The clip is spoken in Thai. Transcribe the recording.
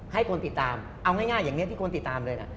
ให้คนติดตามเอาง่ายอย่างนี้ที่คนติดตามเลยนะ